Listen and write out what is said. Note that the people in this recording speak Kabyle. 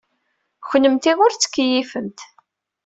Kennemti ur tettkeyyifemt.